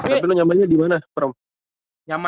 tapi lu nyamannya dimana prom